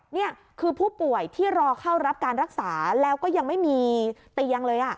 นี่คือผู้ป่วยที่รอเข้ารับการรักษาแล้วก็ยังไม่มีเตียงเลย